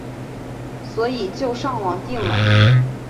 所以就上网订了